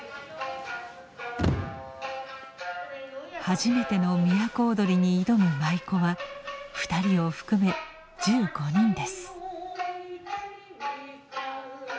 初めての都をどりに挑む舞妓は２人を含め１５人です。